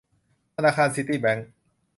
ธนาคารซิตี้แบงค์